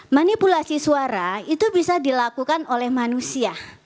manipulasi suara itu bisa dilakukan oleh manusia